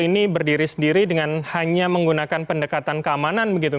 ini berdiri sendiri dengan hanya menggunakan pendekatan keamanan begitu